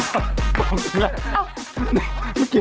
ต้องยืนสิละ